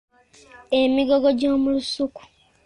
Emigogo gy’omu lusuku.